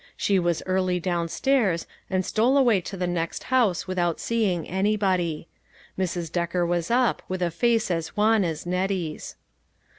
She was early down stairs, and stole away to the next house without seeing anybody. Mrs. Decker was up, with a face as wan as Nettie's.